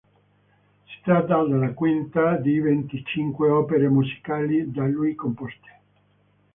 Si tratta della quinta di venticinque opere musicali da lui composte.